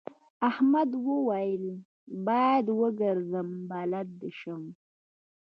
احمد وويل: باید وګرځم بلد شم.